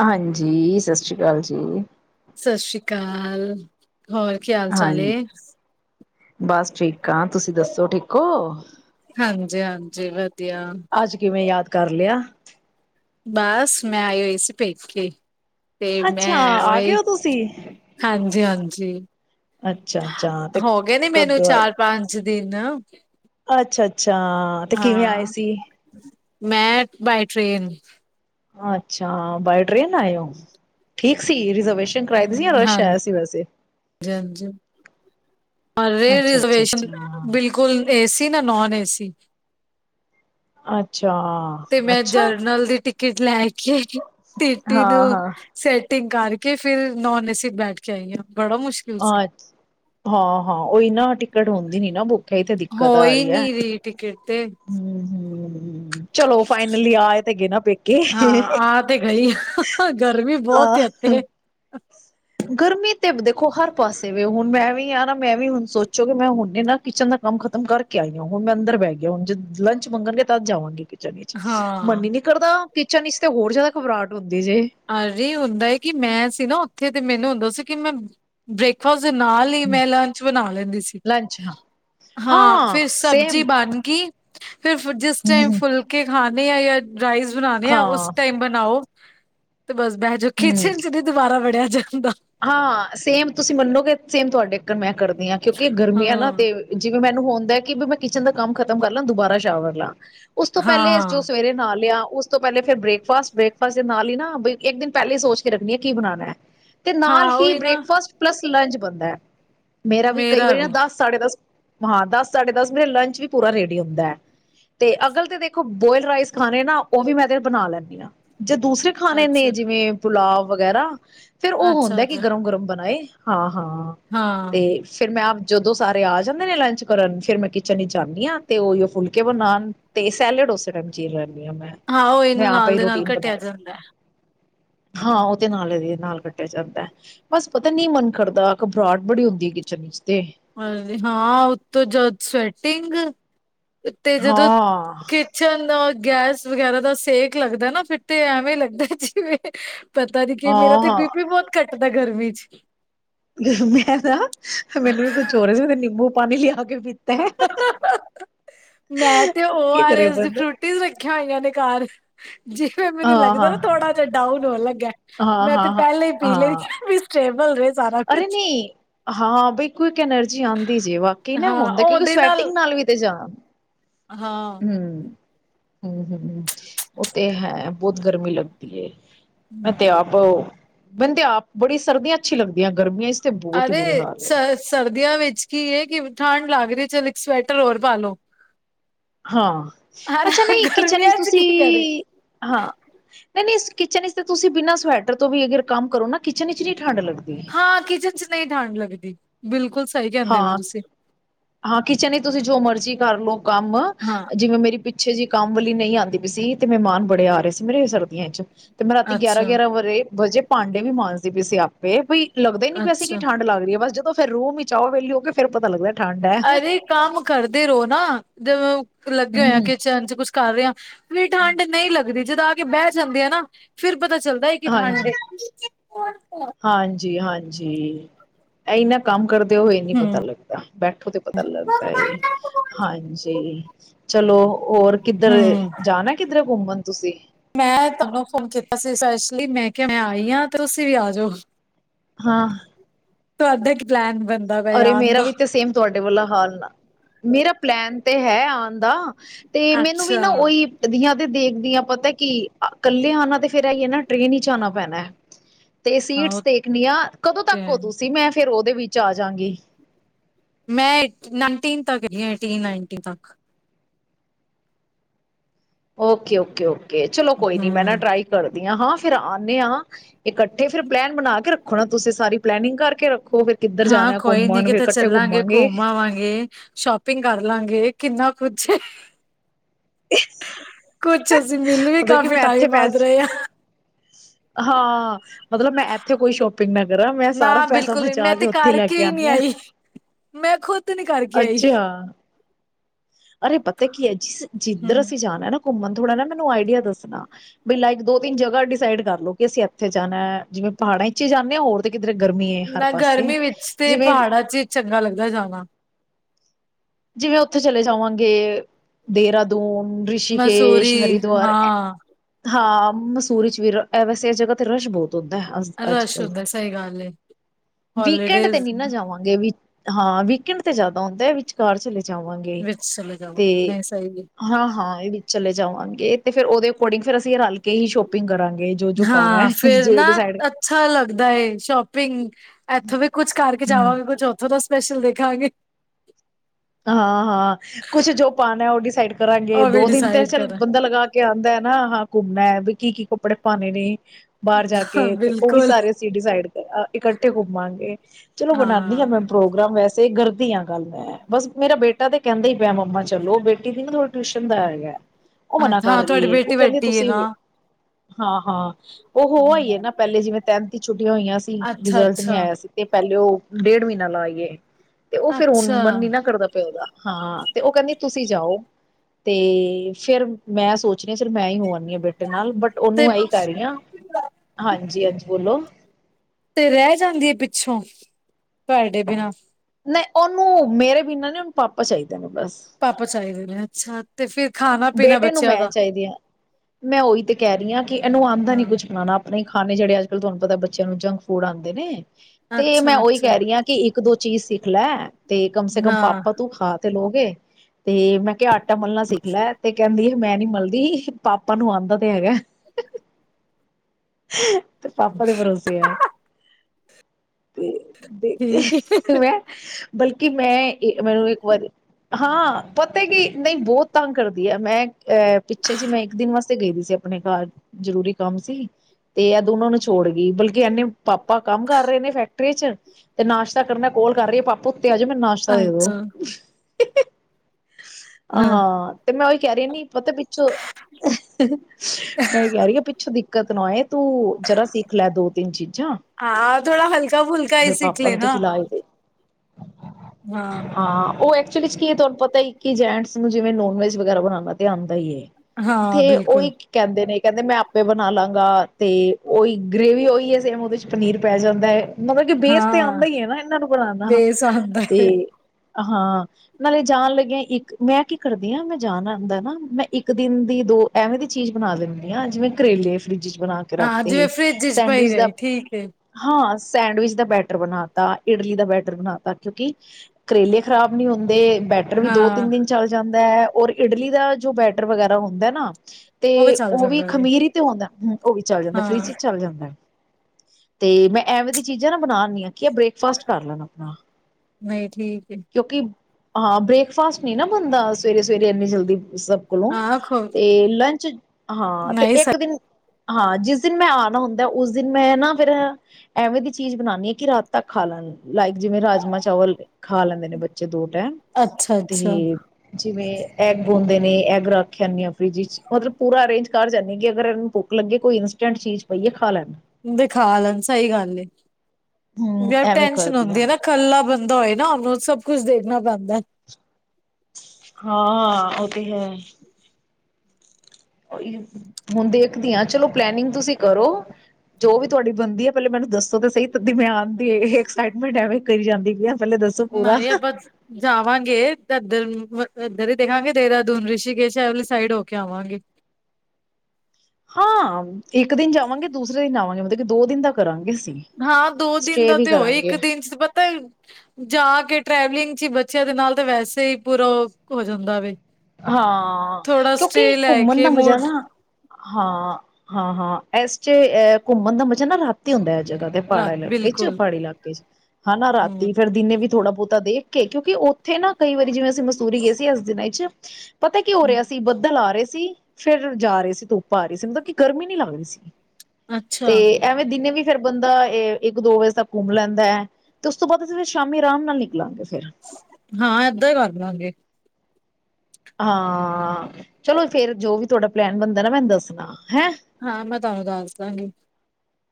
ਹਾਂਜੀ, ਸਤਿ ਸ਼੍ਰੀ ਅਕਾਲ ਜੀ। ਸਤਿ ਸ਼੍ਰੀ ਅਕਾਲ, ਹੋਰ? ਕੀ ਹਾਲ ਚਾਲ ਹਾਂਜੀ ਏ? ਬਸ ਠੀਕ ਹਾਂ, ਤੁਸੀਂ ਦੱਸੋ ਠੀਕੋ? ਹਾਂਜੀ-ਹਾਂਜੀ ਵਧੀਆ, ਅੱਜ ਕਿਵੇਂ ਯਾਦ ਕਰ ਲਿਆ? ਬਸ ਮੈਂ ਆਈ ਹੋਈ ਸੀ ਪੇਕੇ ਤੇ ਅੱਛਾ, ਮੈਂ ਆ ਗਏ ਹੋ ਤੁਸੀਂ? ਹਾਂਜੀ- ਹਾਂਜੀ ਅੱਛਾ -ਅੱਛਾ ਤੇ ਹੋ ਗਏ ਨੇ ਮੈਨੂੰ ਕਦੋਂ ਆਏ ਚਾਰ ਪੰਜ ਦਿਨ ਅੱਛਾ- ਅੱਛਾ ਤੇ ਕਿਵੇਂ ਆਏ ਹਾਂ ਸੀ ਮੈਂ ਬਾਏ ਟ੍ਰੇਨ ਅੱਛਾ ਬਾਏ ਟ੍ਰੇਨ ਆਏ ਹੋ, ਠੀਕ ਸੀ ਰਿਜਰਵੇਸ਼ਨ ਕਰ ਸੀ ਰਸ਼ ਆਇਆ ਸੀ ਵੈਸੇ ਹਾਂਜੀ -ਹਾਂਜੀ ਰੇ ਰਿਜ਼ਰਵੇਸ਼ਨ ਅੱਛਾ-ਅੱਛਾ-ਅੱਛਾ। ਬਿਲਕੁਲ- ਕੁਲ ਏਸੀ ਨਾ ਨੋਨ ਏਸੀ ਅੱਛਾ ਤੇ ਮੈਂ ਅੱਛਾ ਜਰਨਲ ਦੀ ਟਿਕਟ ਲੈ ਕੇ ਟੀਟੀ ਨੂੰ ਹਾਂ-ਹਾਂ। ਹਾਂ, ਸੈਟਿੰਗ ਕਰਕੇ, ਫਿਰ ਨੋਨ ਏ ਸੀ ਬੈਠ ਕੇ ਆਈ ਹਾਂ ਬੜਾ ਮੁਸ਼ਕਿਲ ਸੀ। ਅਛ ਹਾਂ-ਹਾਂ ਉਹੀ ਨਾ ਟਿਕਟ ਹੁੰਦੀ ਨੀ ਨਾ, ਬੁੱਕ ਏਹੀ ਤਾਂ ਦਿੱਕਤ ਹੋ ਆ ਰਹੀ ਹੈ। [unintelligible] ਟਿਕਟ ਤੇ ਹੂੰ, ਚਲੋ ਫਾਈਨਲੀ ਆਏ ਤੇ ਗਏ ਨਾ ਪੇ ਹਾਂ ਆ ਤੇ ਗਈ ਆ ਗਰਮੀ ਬਹੁਤ ਆਹ ਇੱਥੇ, ਗਰਮੀ ਤੇ ਦੇਖੋ, ਹਰ ਪਾਸੇ ਵੇ ਹੁਣ ਮੈਂ ਵੀ ਆ ਨਾ ਮੈਂ ਵੀ ਹੁਣ ਸੋਚੋ, ਕਿ ਮੈਂ ਹੁਣੇ ਨਾ ਕਿਚਨ ਦਾ ਕੰਮ ਖਤਮ ਕਰ। ਕੇ ਆਈ ਆਂ ਹੁਣ ਮੈਂ ਅੰਦਰ ਬੈ ਗਈ ਆ, ਹੁਣ ਜਦ ਲੰਚ ਮੰਗਣਗੇ ਤਦ ਜਾਵਾਂਗੀ ਕਿ ਕਿਚਨ ਚ ਹਾਂ ਮੰਨ ਹੀ ਨੀ ਕਰਦਾ, ਕਿਚਨ ਇਚ ਤੇ ਹੋਰ ਜਿਆਦਾ ਘਬਰਾਹਟ ਹੁੰਦੀ ਜੇ। ਅਰੇ ਹੁੰਦਾ ਹੈ, ਕਿ ਮੈਂ ਸੀ ਨਾ ਉੱਥੇ ਤੇ ਮੈਨੂੰ ਹੁੰਦਾ ਸੀ ਕਿ ਮੈਂ ਬ੍ਰੇਕਫਾਸਟ ਦੇ ਨਾਲ ਹੀ ਮੈਂ ਲੰਚ ਬਣਾ ਲੈਂਦੀ ਸੀ। ਲੰਚ ਹਾਂ ਹਾਂ ਫਿਰ ਸਬਜ਼ੀ ਬਣ ਗਈ। ਫਿਰ ਜਿਸ ਟਾਈਮ ਹੂੰ-ਹੂੰ ਫੁਲਕੇ ਖਾਣੇ ਹੈ ਯਾਂ, ਰਾਈਸ ਬਣਾਉਣੇ ਹੈ ਉਸ ਹਾਂ ਟਾਈਮ ਬਣਾਓ। ਤੇ ਬਸ ਬੈ ਜੋ, ਹੂੰ ਕਿਚਣ ਚ ਨੀ ਦੁਬਾਰਾ ਵੜਿਆ ਜਾਂਦਾ। ਹਾਂ ਸੇਮ ਤੁਸੀਂ ਮੰਨੋਗੇ, ਸੇਮ ਤੁਹਾਡੇ [unintelligible] ਮੈਂ ਕਰਦੀ ਹਾਂ ਕਿਉਂਕਿ ਗਰਮੀ ਹੈ ਨਾ ਹਾਂ ਤੇ ਜਿਵੇਂ ਮੈਨੂੰ ਹੁੰਦਾ ਹੈ, ਕਿ ਵੀ ਮੈਂ ਕਿਚਨ ਦਾ ਕੰਮ ਖ਼ਤਮ ਕਰ ਲਾਂ, ਦੁਬਾਰਾ ਸ਼ਾਵਰ ਲਾਂ ਉਸ ਤੋਂ ਪਹਿਲੇ ਜੋ ਹਾਂ ਸਵੇਰੇ ਨਾ ਲਿਆ, ਉਸ ਤੋਂ ਪਹਿਲੇ ਫਿਰ ਬ੍ਰੇਕਫਾਸਟ ਬ੍ਰੇਕ [unintelligible] ਨਾਲ ਹੀ ਨਾ ਬਈ ਇੱਕ ਦਿਨ ਪਹਿਲੇ ਹੀ ਸੋਚ ਕੇ ਰੱਖਣੀ ਹੈ ਕੀ ਬਣਾਉਣਾ ਹੈ। ਤੇ ਹਾਂ ਨਾਲ ਹੀ ਉਹੀ ਨਾ ਬ੍ਰੇਕਫਾਸਟ ਪਲੱਸ ਲੰਚ ਬਣਦਾ ਹੈ, ਮੇਰਾ ਵੀ ਕਈ ਵਾਰੀ ਨਾ ਦੱਸ। ਸਾਢੇ ਦਸ ਹਾਂ ਦਸ ਸਾਢੇ ਦਸ ਮੇਰਾ ਲੰਚ ਵੀ ਪੂਰਾ ਰੇਡੀ ਹੁੰਦਾ ਹੈ। ਤੇ ਅਗਲ ਤੇ ਦੇਖੋ ਬੋਇਲ ਰਾਈਸ ਖਾਣੇ ਨਾ ਉਹ ਹੀ ਮੈਂ ਤੇ ਬਣਾ ਲੈਂਨੀ ਹਾਂ, ਜੇ ਦੂਸਰੇ ਖਾਣੇ ਅੱਛਾ ਨੇ ਜਿਵੇਂ, ਪੁੁਲਾਵ ਵਗੈਰਾ ਫੇਰ ਉਹ ਅੱਛਾ ਹੁੰਦਾ ਕਿ ਅੱਛਾ ਗਰਮ ਗਰਮ ਬਣਾਏ। ਹਾਂ, ਹਾਂ ਹਾਂ ਤੇ। ਫਿਰ ਮੈਂ [unintelligible] ਜਦੋਂ ਸਾਰੇ ਆ ਜਾਂਦੇ ਨੇ ਲੰਚ ਕਰਨ ਫਿਰ ਮੈਂ ਕਿਚਨ ਇਚ ਜਾਂਨੀ ਹਾਂ ਤੇ ਉਹੀ ਉਹ ਫੁਲਕੇ ਬਣਾਉਣ, ਤੇ ਸੈਲਡ ਉਸੇ ਟੈਮ ਚੀਰ ਲੈਂਦੀ ਹਾਂ ਮੈਂ, ਹਾਂ ਉਹੀ ਨਾ ਮੈਂ ਆਪ ਨਾਲ ਹੀ ਦੇ ਨਾਲ ਰੂਟੀਨ ਘਟਿਆ ਬਣਾਇਆ ਜਾਂਦਾ ਹੈ। ਹਾਂ ਉਹ ਤੇ ਨਾਲ [unintelligible] ਜਾਂਦਾ ਬਸ ਪਤਾ ਨੀ ਮਨ ਕਰਦਾ ਘਬਰਾਟ ਬੜੀ ਹੁੰਦੀ ਹੈ, ਕਿਚਨ ਤੇ ਹਾਂ ਉਤੋਂ ਜਦ ਸਵੈਟਿੰਗ ਤੇ ਜਦੋਂ, ਹਾਂ-ਹਾਂ-ਹਾਂ। ਖਛਣ ਦਾ ਗੈਸ ਵਗੈਰਾ ਦਾ ਸੇਕ ਲੱਗਦਾ, ਨਾ ਫਿਰਤੇ ਐਵੇਂ ਲੱਗਦਾ ਜਿਵੇਂ। ਪਤਾ ਨੀ ਕਿ ਮੇਰਾ ਤੇ ਬਪੀ ਬਹੁਤ ਘੱਟਦਾ ਗਰਮੀ ਚ ਮੈਂ ਨਾ ਮੈਨੂੰ ਵੀ ਕੁਛ ਹੋਰ ਸੀ, ਨਿੰਬੂ ਪਾਣੀ ਲਿਆ ਕੇ ਪੀ, ਮੈਂ ਤੇ ਉਹ ਕੀ ਆਰ ਈ ਇਸ ਦੀ ਫਰੂਟੀ, ਟੀ ਰੱਖੀਆਂ ਹੋਈਆਂ, ਨੇ ਘਰ ਜਿਵੇਂ ਮੈਨੂੰ ਹਾਂ ਲੱਗਦਾ ਹਾਂ ਨਾ ਥੋੜਾ ਜਿਹਾ ਡਾਊਨ ਹੋਣ ਲੱਗਾ। ਹਾਂ ਮੈਂ ਤੇ ਹਾਂ ਹਾਂ ਪਹਿਲਾਂ ਹੀ ਪੀ ਲੈਣੀ ਹਾਂ ਵੀ ਸਟੇਬਲ ਰਹੇ ਸਾਰਾ। ਅਰੇ ਕੁਛ ਨਹੀਂ ਹਾਂ ਬਈ ਇੱਕ ਇੱਕ ਐਨਰਜੀ ਆਉਂਦੀ, ਜੇ ਵਾਕਈ ਨਾ ਹਾਂ ਹੁੰਦਾ ਕਿਉਂਕਿ ਉਹਦੇ ਸਵੈਟਿੰਗ ਨਾਲ ਲ ਵੀ ਤੇ ਜਾ। ਹਾਂ ਹਮ। ਹਮ ਹਮ ਹਮ, ਉਹ ਤੇ ਹੈ। ਬਹੁਤ ਗਰਮੀ ਲੱਗਦੀ ਏ। ਮੈਂ ਤੇ ਆਪ ਬਓ। ਮੈਨੂੰ ਤੇ ਆਪ ਬੜੀ ਸਰਦੀਆਂ ਅੱਛੀ ਲੱਗਦੀਆਂ ਗਰਮੀਆਂ ਇਚ ਤੇ ਬਹੁਤ ਈ ਅਰੇ ਬੁਰੇ ਹਾਲ‌ ਸ ਏ। ਸਰਦੀਆਂ ਵਿੱਚ ਕੀ ਹੈ, ਕਿ ਠੰਢ ਲੱਗ ਰਹੀ ਹੈ ਚੱਲ ਇੱਕ ਸਵੈਟਰ ਹੋਰ ਪਾਲੋ। ਹਾਂ ਹਾਂ ਅੱਛਾ ਨਹੀਂ ਕਿਚਨ ਗਰਮੀਆਂ ਵਿੱਚ ਚ ਤੁਸੀਂ ਕੀ ਕਰੇ ਹਾਂ। ਨਹੀਂ-ਨਹੀਂ ਕਿਚਨ ਇਚ ਤਾਂ ਤੁਸੀਂ ਬਿਨਾਂ ਸਵੈਟਰ ਤੋਂ ਵੀ ਅਗਰ ਕੰਮ ਕਰੋ ਨਾ ਕਿਚਨ ਇਚ ਨੀ ਠਾਢ ਲੱਗਦੀ। ਹਾਂ, ਕਿਚਨ ਚ ਨਹੀਂ ਠੰਢ ਲਗਦੀ। ਬਿਲਕੁਲ ਸਹੀ ਕਿ ਹਾਂ, ਹਾਂ ਕਿਚਨ ਇਚ ਤੁਸੀਂ ਜੋ ਮਰਜ਼ੀ ਕਰ ਲੋ ਕੰਮ ਹਾਂ ਜਿਵੇਂ ਮੇਰੀ ਪਿੱਛੇ ਜੀ ਕੰਮ ਵਾਲੀ ਨਹੀਂ ਆਉਂਦੀ ਪਈ ਸੀ, ਤੇ ਮਹਿਮਾਨ ਬੜੇ ਆ ਰਹੇ ਸੀ ਮੇਰੇ ਸਰਦੀਆਂ ਚ ਤੇ ਮੈਂ ਰਾਤੀ ਅੱਛਾ ਗਿਆਰਾਂ-ਗਿਆਰਾਂ ਵਰੇ ਵਜੇ ਪਾਂਡੇ ਵੀ ਮਾਂਜਦੀ ਪਈ ਸੀ ਆਪੇ ਬਈ ਲੱਗਦਾ ਹੀ ਨਹੀਂ ਪਿਆ ਸੀ, ਕਿ ਅੱਛਾ ਠੰਢ ਲੱਗ ਰਹੀ ਹੈ, ਬਸ ਜਦੋਂ ਫਿਰ ਰੂਮ ਵਿਚ ਆਓ ਵੈਲੀ ਹੋ ਕੇ ਫਿਰ ਪਤਾ ਲੱਗਦਾ ਠੰਡ ਹੈ। ਅਰੇ ਕੰਮ ਕਰਦੇ ਰਹੋ ਨਾ। ਜਿਵੇਂ ਲੱਗੇ ਹੋਏ ਆ ਹੂੰ-ਹੂੰ ਕਿਚਨ ਚ, ਕੁਛ ਕਰ ਰਹੇ ਆਂ ਵੀ ਠੰਡ ਨਹੀਂ ਲੱਗਦੀ। ਜਦ ਆ ਕੇ ਬਹਿ ਜਾਂਦੇ ਆ ਨਾ, ਫੇਰ ਪਤਾ ਚੱਲਦਾ ਐ ਕਿ ਠੰਡ ਏ। ਹੋਰ ਤੋ ਹਾਂਜੀ ਹਾਂਜੀ। ਏ ਈ ਨਾ ਕੰਮ ਕਰਦੇ ਹੋਏ ਨੀ ਪਤਾ ਲੱਗਦਾ। ਬੈਠੋ ਤੇ ਪਤਾ ਲੱਗਦਾ ਏ। ਹਾਂਜੀ। ਚਲੋ ਔਰ ਕਿੱਧਰ, ਹੂੰ ਜਾਣਾ ਕਿੱਧਰੇ ਘੁੰਮਣ ਤੁਸੀਂ? ਮੈਂ ਤਾਨੂੰ ਫੋਨ ਕੀਤਾ ਸੀ, ਸਪੈਸ਼ਲੀ, ਮੈਂ ਕਿਆ ਮੈਂ ਆਈ ਆਂ ਤੇ ਤੁਸੀਂ ਵੀ ਆ ਜੋ। ਹਾਂ। ਤੁਆਡਾ ਕੀ ਪਲੈਨ ਬਨ ਅਰੇ ਮੇਰਾ ਵੀ ਤੇ ਸੇਮ ਤੁਆਡੇ ਵਾਲਾ ਹਾਲ ਨਾ। ਮੇਰਾ ਪਲੈਨ ਤੇ ਹੈ ਆਣ ਦਾ ਤੇ ਮੈਨੂੰ ਵੀ ਅੱਛਾ ਨਾ ਓਈ। ਦੀਆਂ ਤੇ ਦੇਖਦੀਆਂ ਪਤਾ ਕੀ, ਕੱਲੇ ਆਣਾ ਤੇ ਫੇਰ ਐਈ ਐ ਨਾ ਟ੍ਰੇਨ ਇਚ ਆਣਾ ਪੈਣਾ ਐ। ਤੇ ਹਾਂ ਸੀਟਸ ਉਹ ਦੇਖਣੀਆਂ। ਕਦੋਂ ਤੇ ਤੱਕ ਓ ਹੈ ਤੁਸੀਂ, ਮੈਂ ਫੇਰ ਉਹਦੇ ਵਿੱਚ ਆ ਜਾਂਗੀ। ਮੈਂ ਏ ਨਾਈਨਟੀਨ ਤੱਕ ਹੈਗੀ ਆਂ, ਏਟੀਨ ਨਾਈਨਟੀਨ ਤੱਕ। Okay okay okay. ਚਲੋ ਕੋਈ ਨੀ, ਮੈਂ ਨਾ ਹੂੰ। ਟਰਾਈ ਕਰਦੀ ਆਂ। ਹਾਂ ਫਿਰ ਆਂਨੇ ਆਂ। ਇਕੱਠੇ ਫਿਰ ਪਲੈਨ ਬਣਾ ਕੇ ਰੱਖੋ ਨਾ, ਤੁਸੀਂ ਸਾਰੀ ਪਲੈਨਿੰਗ ਕਰਕੇ ਰੱਖੋ ਫਿਰ। ਕਿੱਧਰ ਹਾਂ ਜਾਣਾ ਕੋਈ ਨੀ, ਘੁੰਮਣ ਫਿਰ ਕਿਤੇ ਇਕੱਠੇ ਚੱਲਾਂਗੇ, ਘੁੰਮਾਂਗੇ ਘੁੰਮ ਆਵਾਂਗੇ। ਸ਼ੋਪ ਪਿੰਗ ਕਰ ਲਾਂਗੇ, ਕਿੰਨਾ ਕੁੱਝ ਐ। [unintelligible] ਕੁਛ ਅਸੀਂ ਮਿਲ ਵੀ ਮਤਲਬ ਕਿ ਕਾਫੀ ਮੈਂ ਇੱਥੇ ਟਾਈਮ ਬਾਦ ਪੈਸ ਰਏ ਆਂ। ਹਾਂ, ਮਤਲਬ ਮੈਂ ਇੱਥੇ ਕੋਈ ਸ਼ੋਪ ਪਿੰਗ ਨ ਕਰਾਂ। ਮੈਂ ਸਾਰਾ ਨਾ ਪੈਸਾ ਬਿਲਕੁਲ ਵੀ ਮੈਂ ਬਚਾ ਕੇ ਤੇ ਉੱਥੇ ਈ ਲੈ ਕਰਕੇ ਕੇ ਹੀ ਨਹੀਂ ਆਂਨੀ ਆਂ। ਆਈ ਮੈਂ ਖੁਦ ਨੀ ਕਰਕੇ ਆਈ। ਅੱਛਾ, ਅਰੇ ਪਤਾ ਕੀ ਐ, ਜਿਸ ਜਿੱਧਰ ਹੂੰ, ਅਸੀਂ ਜਾਣਾ ਐ ਨਾ ਘੁੰਮਣ, ਥੋੜ੍ਹਾ ਨਾ ਮੈਨੂੰ ਆਈਡੀਆ ਦੱਸਣਾ। ਬਈ ਲਾਈਕ ਦੋ ਤਿੰਨ ਜਗ੍ਹਾ ਡਿਸਾਈਡ ਕਰ ਲਓ, ਕਿ ਅਸੀਂ ਇੱਥੇ ਜਾਣਾ ਜਿਵੇਂ ਪਹਾੜਾਂ ਇਚ ਈ ਜਾਂਨੇ ਆਂ ਹੋਰ ਕਿੱਧਰੇ ਗਰਮੀ ਏ ਹਰ ਨਾ ਪਾਸੇ, ਗਰਮੀ ਵਿੱਚ ਤੇ ਜਿਵੇਂ ਪਹਾੜਾਂ ਚ ਚੰਗਾ ਲੱਗਦੈ ਜਾਣਾ। ਜਿਵੇਂ ਉੱਥੇ ਚਲੇ ਜਾਵਾਂਗੇ ਦੇਹਰਾਦੂਨ ਮਸੂਰੀ ਰਿਸੀ਼ਕੇਸ਼, ਹਰਿਦਵਾਰ, ਐ ਹਾਂ ਹਾਂ ਮਸੂਰੀ ਚ ਵੀ ਰ, ਐ ਵੈਸੇ ਇਸ ਜਗ੍ਹਾ ਤੇ ਰਸ਼ ਬਹੁਤ ਹੋਂਦਾ ਐ ਅਸ ਅੱਜ ਰਸ਼ ਕੱਲ। ਹੁੰਦਾ ਸਹੀ ਗੱਲ ਏ। ਵੀਕੈਂਡ ਤੇ ਹੋਲੀਡੇਜ਼ ਨੀ ਨਾ ਜਾਵਾਂਗੇ ਵੀ ਹਾਂ ਵੀਕੈਂਡ ਤੇ ਜਾ਼ਦਾ ਹੁੰਦੈ, ਵਿਚਕਾਰ ਚਲੇ ਜਾਵਾਂਗੇ। ਵਿੱਚ ਚਲੇ ਤੇ ਜਾਵਾਂਗੇ ਨਹੀਂ ਸਹੀ ਏ। ਹਾਂ ਹਾਂ, ਇਹ ਵਿਚ ਚਲੇ ਜਾਵਾਂਗੇ ਤੇ ਫੇਰ ਉਹਦੇ ਅਕੋਰਡਿੰਗ ਫੇਰ ਅਸੀਂ ਰਲ ਕੇ ਹੀ ਸ਼ੋਪਿੰਗ ਕਰਾਂਗੇ। ਜੋ-ਜੋ ਪਾਣਾ ਹਾਂ, ਹੈ ਫੇਰ ਜੇ ਨਾ ਡਿਸਾਈਡ ਅੱਛਾ ਲੱਗਦਾ ਏ ਸ਼ੋਪਿੰਗ ਏਥੋਂ ਵੀ ਕੁਛ ਕਰਕੇ ਹੂੰ ਜਾਵਾਂਗੇ, ਕੁੱਛ ਓਥੋਂ ਦਾ ਸਪੈਸ਼ਲ ਵੇਖਾਂਗੇ। ਹਾਂ ਹਾਂ। ਕੁਛ ਜੋ ਪਾਣਾ ਏ ਉਹ ਡਿਸਾਈਡ ਕਰਾਂਗੇ। ਉਹ ਵੀ ਦੋ ਦਿਨ ਤੇ ਡਿਸਾਈਡ ਚੱਲ ਕਰਾਂ ਬੰਦਾ ਲਗਾ ਕਿ ਆਂਦਾ ਐ ਨਾ ਆਹਾ, ਘੁੰਮਣਾ ਐ। ਵੀ ਕੀ ਕੀ ਕੱਪੜੇ ਪਾਣੇ ਨੇ। ਬਾਹਰ ਜਾ ਕੇ ਹਾਂ ਤੇ ਉਹ ਵੀ ਬਿਲਕੁਲ ਸਾਰੇ ਅਸੀਂ ਡਿਸਾਈਡ ਇਕੱਠੇ ਘੁੰਮਾਂਗੇ। ਚਲੋ ਬਣਾਉਂਦੀ ਹਾਂ। ਮੈਂ ਪ੍ਰੋਗਰਾਮ ਵੈਸੇ ਕਰਦੀ ਹਾਂ ਗੱਲ ਮੈਂ। ਬਸ ਮੇਰਾ ਬੇਟਾ ਤਾਂ ਕਹਿੰਦਾ ਹੀ ਪਿਆ। ਮੰਮਾ ਚਲੋ ਬੇਟੀ ਦੀ ਨਾ ਟਿਊਸ਼ਨ ਦਾ ਹੈਗਾ। ਉਹ ਮਨਾ ਅੱਛਾ ਕਰ ਹਾਂ ਤੁਹਾਡੀ ਰਹੀ। ਉਹ ਬੇਟੀ ਕਹਿੰਦੇ ਵੱਡੀ ਹੈ ਤੁਸੀਂ ਨਾ ਹੋ। ਹਾਂ ਹਾਂ। ਉਹ ਹੋ ਆਈ ਏ ਹਮ ਨਾ ਪਹਿਲੇ, ਜਿਵੇਂ ਟੈਨਥ ਦੀ ਛੁੱਟੀਆਂ ਹੋਈਆਂ ਸੀ। ਅੱਛਾ ਰਿਜ਼ਲਟ ਨੀ ਅੱਛਾ ਆਇਆ ਸੀ। ਤੇ ਪਹਿਲੇ ਉਹ ਡੇਢ ਮੀਨਾ ਲਾ ਆਈ ਏ। ਤੇ ਉਹ ਫੇਰ ਹੁਣ ਅੱਛਾ ਮੰਨ ਨੀ ਨਾ ਕਰਦਾ ਪਿਆ ਓਦਾ। ਹਾਂ ਤੇ ਉਹ ਕੈਂਦੀ ਤੁਸੀਂ ਜਾਓ, ਤੇ ਫੇਰ ਮੈਂ ਸੋਚ ਰੀ ਆਂ ਚਲ ਮੈਂ ਹੀ ਹੋ ਆਨੀ ਆਂ ਬੇਟੇ ਨਾਲ। ਬਟ ਤੇ ਉਹਨੂੰ ਐ ਈ ਕਹਿ ਰੀ ਆਂ। ਹਾਂਜੀ ਹਾਂਜੀ, ਬੋਲੋ। ਤੇ ਰਹਿ ਜਾਂਦੀ ਐ ਪਿੱਛੋਂ, ਤੁਆਡੇ ਬਿਨਾਂ? ਨਹੀਂ ਓਹਨੂੰ ਮੇਰੇ ਬਿਨਾਂ ਨੀ, ਓਹਨੂੰ ਪਾਪਾ ਚਾਈਦੇ ਨੇ ਬਸ। ਪਾਪਾ ਚਾਈਦੇ ਨੇ, ਅੱਛਾ। ਤੇ ਫਿਰ ਖਾਣਾ ਪੀਣਾ ਬੇਟੇ ਨੂੰ ਬੱਚਿਆਂ ਮੈਂ ਦਾ ਚਾਈਦੀ ਆਂ। ਮੈਂ ਉਈ ਤੇ ਕਹਿ ਰਹੀ ਆਂ ਕਿ ਇਹਨੂੰ ਆਂਦਾ ਨੀ ਹਾਂ ਕੁੱਛ ਬਣਾਣਾ ਨਹੀਂ ਖਾਣੇ ਜਿਹੜੇ ਅੱਜ ਕੱਲ੍ਹ ਤੁਆਨੂੰ ਪਤਾ ਬੱਚਿਆਂ ਨੂੰ ਜੰਕ ਫੂਡ ਆਂਦੇ ਨੇ। ਤੇ ਮੈਂ ਅੱਛਾ ਉਈ ਅੱਛਾ ਕਹਿ ਰਹੀ ਆਂ। ਕਿ ਇੱਕ ਦੋ ਚੀਜ਼ ਸਿੱਖ ਲੈ। ਤੇ ਕਮ, ਸੇ ਕਮ ਹਾਂ ਪਾਪਾ ਤੂੰ ਖਾ ਤੇ ਲਓ ਗੇ। ਤੇ ਮੈ ਕਿਹਾ ਆਟਾ ਮਲਣਾ ਸਿੱਖ ਲੈ। ਤੇ ਕਹਿੰਦੀ ਆ ਮੈਂ ਨੀ ਮਲਦੀ ਪਾਪਾ ਨੂੰ ਆਉਂਦਾ ਤੇ ਹੈਗਾ। ਤੇ ਪਾਪਾ ਦੇ ਭਰੋਸੇ ਆਏ। ਤੇ ਦੇਖ ਠੀਕ ਹੈ ਮੈਂ। ਬਲਕਿ ਮੈਂ। ਮੈਨੂੰ ਇੱਕ ਵਾਰੀ ਹਾਂ। ਪਤਾ ਕਿ ਨਹੀਂ ਬਹੁਤ ਤੰਗ ਕਰਦੀ ਹੈ। ਮੈਂ ਅਹ ਪਿੱਛੇ ਜ ਮੈਂ ਇੱਕ ਦਿਨ ਵਾਸਤੇ ਗਈਦੀ ਸੀ। ਆਪਣੇ ਘਰ ਜਰੂਰੀ ਕੰਮ ਸੀ। ਤੇ ਇਹ ਦੋਨਾਂ ਨੂੰ ਛੋੜ ਗਈ। ਬਲਕਿ ਇਹਨੇ ਪਾਪਾ ਕੰਮ ਕਰ ਰਹੇ ਨੇ ਫੈਕਟਰੀ ਚ। ਤੇ ਨਾਸ਼ਤਾ ਕਰਨ ਮੈਂ ਕੋਲ ਕਰ ਰਹੀ ਹੈ। ਪਾਪਾ ਉੱਤੇ ਆ ਜਾਓ ਮੈ ਨਾਸ਼ [unintelligible] ੋ ਅੱਛਾ ਹਾਂ। ਤੇ ਮੈਂ ਉਹੀ ਕਹਿ ਰਹੀ ਨੀ। ਪਤਾ ਪਿੱਛੋਂ। ਮੈਂ ਕਹਿ ਰਹੀ ਆ ਪਿੱਛੋਂ ਦਿੱਕਤ ਨਾ ਆਏ ਤੂੰ। ਜਰਾ ਸਿੱਖ ਲੈ ਦੋ ਤਿੰਨ ਚੀਜ਼ਾਂ। ਹਾਂ ਥੋੜਾ ਹਲਕਾ ਫੁਲਕਾ ਹੀ ਬ ਸਿੱਖ ਪਾਪਾ ਨੂੰ ਤੇ ਲੈਣਾ ਖਿਲਾਏ ਦੇ। ਹਾਂ ਉਹ ਐਕਚੁਲੀ ਚ ਕੀ ਹੈ। ਤੁਹਾਨੂੰ ਪਤਾ ਹੀ ਕਿ ਜੈਂਟਸ ਨੂੰ ਜਿਵੇਂ ਨੋਨ ਵੈਜ। ਵਗੈਰਾ ਬਣਾਉਣਾ ਤੇ ਆਉਂਦਾ ਹੀ ਹੈ। ਹਾਂ ਤੇ ਬਿਲਕੁਲ ਉਹਹੀ ਕਹਿੰਦੇ ਨੇ ਕਹਿੰਦੇ ਮੈਂ ਆਪੇ ਬਣਾ ਲਾਂਗਾ। ਤੇ ਉਹੀ ਗ੍ਰੇਵੀ ਉਹੀ ਹੈ। ਸੇਮ ਉਹਦੇ ਚ ਪਨੀਰ ਪੈ ਜਾਂਦਾ ਹੈ। ਮਤਲਬ ਕਿ ਬੇਸ ਤੇ ਹਾਂ ਆਉਂਦਾ ਹੀ ਹੈ ਨਾ। ਇਹਨਾਂ ਨੂੰ ਬਣਉਂਦਾ ਹਾਂ। ਬੇਸ ਆਉਂਦਾ ਤੇ ਹੈ ਹਾਂ ਨਾਲੇ ਜਾਣ ਲੱਗਿਆ। ਇੱਕ ਮੈਂ ਕੀ ਕਰਦੀ ਹਾਂ। ਮ ਜਿਆਦਾ ਹੁੰਦਾ ਨਾ। ਮੈਂ ਇੱਕ ਦਿਨ ਦੀ ਦੋ ਐਵੇਂ ਦੀ ਚੀਜ਼ ਬਣਾ ਲੈਂਦੀ ਹਾਂ। ਜਿਵੇਂ ਕਰੇਲੇ ਫਰਿੱਜ ਚ ਬਣਾ ਕੇ ਹਾਂ ਜਿਵੇਂ ਰੱਖਦੇ। ਫਰਿੱਜ ਚ ਪਈ ਸੈਂਡਵਿਚ ਦਾ ਰਹੇ ਠੀਕ ਹੈ ਹਾਂ ਸੈਂਡਵਿਚ ਦਾ ਬੈਟਰ ਬਣਾ ਤਾ, ਇਡਲੀ ਦਾ ਬੈਟਰ ਬਣਾ ਤਾ। ਕਿਉਂਕਿ? ਕਰੇਲੇ ਖਰਾਬ ਨੀ ਹੁੰਦੇ। ਬੈਟ ਬੈਟਰ ਵੀ ਦੋ ਤਿੰਨ ਹਾਂ ਦਿਨ ਚੱਲ ਜਾਂਦਾ ਹੈ। ਔਰ ਇਡਲੀ ਦਾ ਜੋ ਬੈਟਰ ਵਗੈਰਾ ਹੁੰਦਾ ਨਾ? ਤੇ ਚੱਲ ਉਹ ਵੀ ਜਾਂਦਾ ਵੇ ਖਮੀਰ ਹੀ ਤੇ ਹੁੰਦਾ ਹੈ। ਉਹ ਵੀ ਚੱਲ ਜਾਂਦਾ, ਹਾਂ ਫ੍ਰਿਜ ਚ ਚੱਲ ਜਾਂਦਾ ਹੈ। ਤੇ ਮੈਂ ਐਵੇਂ ਦੀ ਚੀਜ਼ਾਂ ਨਾ ਬਣਾ ਆਨੀਆ। ਕੇ ਬ੍ਰੇਕਫਾਸਟ ਕਰ ਲੈਣ ਆਪਣਾ। ਨਹੀਂ ਠੀਕ ਹੈ ਕਿਉਂਕਿ ਹਾਂ ਬ੍ਰੇਕਫਾਸਟ ਨੀ ਨਾ ਬਣਦਾ ਸਵੇਰੇ ਸਵੇਰੇ ਇੰਨੀ ਜਲਦੀ। ਸ ਕੋਲੋਂ। ਹਾਂ ਖੋ ਤੇ ਲੰਚ ਹਾਂ ਤੇ ਨਹੀਂ ਸ ਇੱਕ ਦਿਨ? ਹਾਂ ਜਿਸ ਦਿਨ ਮੈਂ ਆਉਣਾ ਹੁੰਦਾ। ਉਸ ਦਿਨ ਮੈਂ ਨਾ ਫੇਿਰ? ਐਵੇਂ ਦੀ ਚੀਜ਼ ਬਣਾਉਣੀਆ। ਕਿ ਰਾਤ ਤੱਕ ਖਾ ਲੈਣ। ਲਾਈਕ ਜਿਵੇਂ ਰਾਜਮਾਂ ਚਾਵਲ ਖਾਂ ਲੈਂਦੇ ਨੇ ਬੱਚੇ ਦੋ ਟਾਈਮ। ਅੱਛਾ ਤੇ ਅੱਛਾ ਜਿਵੇਂ ਐਗ, ਹੁਦੇ ਨੇ ਐਗ? ਰਖ ਆਨੀਯਾਂ ਫ੍ਰਿਜ ਚ। ਮਤਲਬ ਪੂਰਾ ਅਰੇਂਜ? ਕਰ ਜਾਂਦੀ ਅ। ਅਗਰ ਇਹਨੂੰ ਭੁੱਖ ਲੱਗੇ ਕੋਈ ਇੰਸਟੈਂਟ ਚੀਜ਼ ਪਈਏ ਖਾ ਲੈਣ। ਦਿਖਾ ਲੈਣ। ਸਹੀ ਗੱਲ ਹੂੰ ਯ ਐਵੇਂ ਟੈਸ਼ਨ ਕਰਦੀ ਆ। ਹੁੰਦੀ ਹੈ ਨਾ। ਇਕੱਲਾ ਬੰਦਾ ਹੋਏ ਨਾ। ਉਹਨੂੰ ਸਭ ਕੁਛ ਦੇਖਣਾ ਪੈਂਦਾ ਹਾਂਅ ਉਹ ਤੇ ਹੈ। ਹੁਣ ਦੇਖਦੀ ਹਾਂ। ਚਲੋ ਪਲੈਨਿੰਗ ਤੁਸੀਂ ਕਰੋ। ਜੋ ਵੀ ਤੁਹਾਡੀ ਬਣਦੀ ਹੈ। ਪਹਿਲੇ ਮੈਨੂੰ ਦੱਸੋ ਤਾਂ ਸਹੀ। ਪਤਾ ਮੈਂ ਆਨ ਦੀ ਇਹ ਐਕਸਾਈਟਮੈਂਟ ਐਵੇਂ ਕਰੀ ਜਾਂਦੀ। ਪਹਿਲੇ ਦੱਸੋ ਨਾ ਪੂਰਾ। ਇਹ ਬਝ [unintelligible] ਜਾਵਾਂਗੇ ਇੱਧਰ ਇੱਧਰ ਹੀ ਦੇਖਾਂਗੇ ਤ ਦੇਹਰਾਦੂਨ ਰਿਸ਼ੀਕੇਸ਼ ਵਾਲੀ ਸਾਈਡ ਹੋ ਕੇ ਆਵਾਂਗੇ ਹਾਂ ਇੱਕ ਦਿਨ ਜਾਵਾਂਗੇ ਦੂਸਰੇ ਦਿਨ ਆਵਾਂਗੇ ਮੱਤਲਬ ਕਿ ਦੋ ਦਿਨ ਦਾ ਕਰਾਂਗੇ ਅਸੀਂ ਹਾਂ ਦੋ ਦਿਨ ਸਟੇ ਦਾ ਵੀ ਤੇ ਹੋਏ। ਇੱਕ ਕਰਾਂਗੇ ਦਿਨ ਚ ਪਤਾ? ਜਾਕੇ ਟ੍ਰੈਵਲਿੰਗ ਚ ਹੀ ਬੱਚਿਆਂ ਦੇ ਨਾਲ ਤੇ ਵੈਸੇ ਹੀ ਪੂਰਾ ਹੋ ਜਾਂਦਾ ਵੇ। ਹਾਂ। ਥੋੜਾ ਕਿਉਂਕਿ ਸਟੇ ਲੈ ਘੁੰਮਣ ਕੇ ਦਾ ਮਜ਼ਾ ਮੂਡ ਨਾ? ਹਾਂ ਹਾਂ ਇਸ ਚੇ ਅਹ ਘੁੰਮਣ ਦਾ ਮਜ਼ਾ ਨਾ ਰਾਤ ਹੁੰਦਾ ਹੈ। ਜਗ੍ਹਾ ਤੇ ਪਹਾੜਾਂ ਰੱਖ ਇਲਾਕੇ ਚ ਬਿਲਕੁਲ ਪਹਾੜੀ ਇਲਾਕੇ ਚ ਹੈਨਾ। ਹੂੰ ਰਾਤੀ ਫਿਰ ਦਿਨੇ ਵੀ ਥੋੜ੍ਹਾ ਬਹੁਤਾ ਦੇਖ ਕੇ। ਕਿਉਂਕਿ ਉੱਥੇ ਨਾ ਕਈ ਵਾਰੀ ਜਿਵੇਂ ਅਸੀਂ ਮਸੂਰੀ ਗਏ ਸੀ। ਇਸ ਦਿਨਾਂ ਵਿੱਚ। ਪਤਾ ਕੀ ਹੋ ਹੂੰ। ਰਿਹਾ ਸੀ? ਬੱਦਲ ਆ ਰਹੇ ਸੀ। ਫਿਰ ਜਾ ਰਹੀ ਸੀ, ਧੁੱਪਾ ਆ ਰਹੀ ਸੀ ਮੱਤਲਬ ਕੀ ਗਰਮੀ ਨਹੀਂ ਲੱਗਦੀ ਸੀ।? ਅੱਛਾ ਤੇ ਐਵੇਂ ਦਿਨੇ ਵੀ ਫਿਰ ਬੰਦਾ ਇੱਕ ਦੋ ਵਜੇ ਤੱਕ ਘੁੰਮ ਲੈਂਦਾ ਹੈ ਤੇ ਉਸ ਤੋਂ ਬਾਅਦ ਫਿਰ ਸ਼ਾਮੀ ਆਰਾਮ ਨਾਲ ਨਿਕਲਾਂਗੇ ਫਿਰ ਹਾਂ ਏਦਾਂ ਹੀ ਕਰ ਦਾਂਗੇ ਹਾਂ ਚਲੋ ਫਿਰ ਜੋ ਵੀ ਤੁਹਾਡਾ ਪਲੈਨ ਬਣਦਾ ਨਾ ਮੈਨੂੰ ਦੱਸਣਾ ਹੈਂ ਹਾਂ ਮੈਂ ਤੁਹਾਨੂੰ ਦੱਸ ਦਾਂਗੀ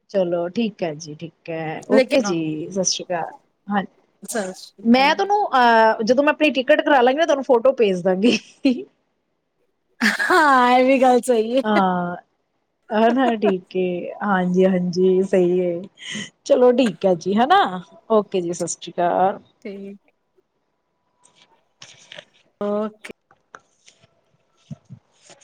ਚਲੋ ਠੀਕ ਹੈ ਜੀ ਠੀਕ ਹੈ ਓਕੇ ਲੇਕਿਨ ਜੀ ਸਤਿ ਸ਼੍ਰੀ ਅਕਾਲ ਹਾਂਜੀ ਅ [unintelligible] ਸਤਿ ਸ੍ਰੀ ਅਕਾਲ ਮੈਂ ਤੁਹਾਨੂੰ ਅਹ ਜਦੋਂ ਮੈਂ ਆਪਣੀ ਟਿਕਟ ਕਰਾ ਲਾਂਗੀ ਨਾ ਤੁਹਾਨੂੰ ਫੋਟੋ ਭੇਜ ਦਾਂਗੀ ਹਾਂ ਇਹ ਵੀ ਗੱਲ ਸਹੀ ਹੈ ਕੇ ਹਾਂਜੀ ਹਾਂਜੀ ਸਹੀ ਹੈ ਚਲੋ ਠੀਕ ਹੈ ਜੀ ਹਨਾ ਓਕੇ ਜੀ ਸਤਿ ਸ਼੍ਰੀ ਅਕਾਲ ਤੇ ਓਕੇ [unintelligible]